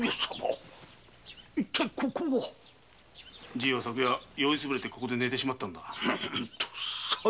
じいは昨夜酔いつぶれてここで寝てしまったのだ。